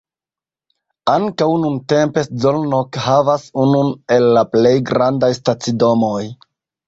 Ankaŭ nuntempe Szolnok havas unun el la plej grandaj stacidomoj.